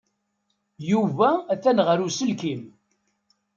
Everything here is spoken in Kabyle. Yuba atan ɣer uselkim.